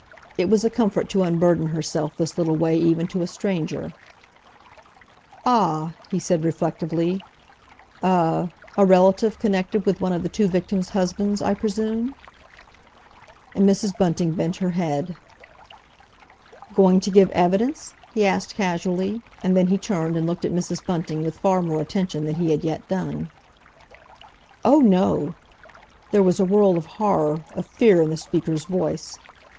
It was a comfort to unburden herself this little way even to a stranger. "Ah!" he said reflectively. "A—a relative connected with one of the two victims' husbands, I presume?" And Mrs. Bunting bent her head. "Going to give evidence?" he asked casually, and then he turned and looked at Mrs. Bunting with far more attention than he had yet done. "Oh, no!" There was a world of horror, of fear in the speaker's voice.